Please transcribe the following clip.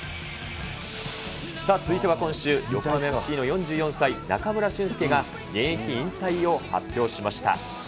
さあ、続いては今週、横浜ＦＣの４４歳、中村俊輔が現役引退を発表しました。